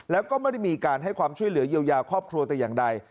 แล้วก็ไม่ได้มีการให้ความช่วยเหลือเยียวยาครอบครัวแต่อย่างใด